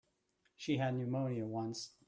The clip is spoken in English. She had pneumonia once.